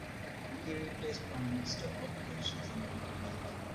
He replaced Prime Minister O'tkir Sultonov.